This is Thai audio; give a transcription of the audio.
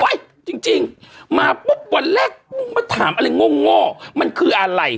จริงมาปุ๊บวันแรกมึงมาถามอะไรง่อมันคืออะไร